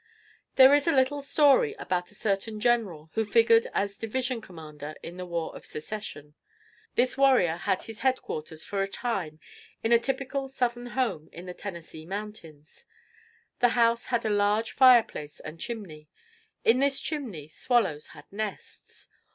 There is a little story about a certain general who figured as division commander in the War of Secession: this warrior had his headquarters, for a time, in a typical Southern home in the Tennessee Mountains. The house had a large fireplace and chimney; in this chimney, swallows had nests.